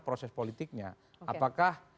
proses politiknya apakah